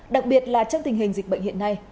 đặc biệt là trong tình hình dịch bệnh hiện nay